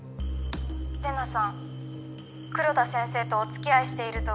レナさん黒田先生とお付き合いしていると噂でした。